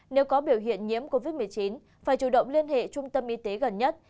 nếu có biểu hiện nhiễm covid một mươi chín phải chủ động liên hệ trung tâm y tế gần nhất